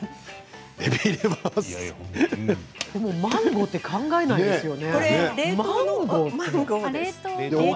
マンゴーって考えないですよね。